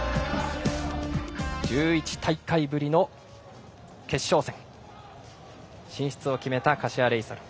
１１大会ぶりの決勝戦進出を決めた柏レイソル。